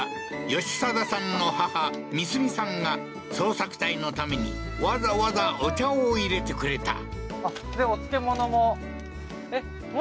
義定さんの母ミスミさんが捜索隊のためにわざわざお茶を入れてくれたええー